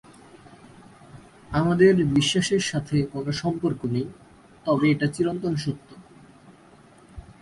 আমাদের বিশ্বাসের সাথে কোনো সম্পর্ক নেই, তবে এটা চিরন্তন সত্য।